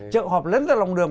chợ họp lấn ra lòng đường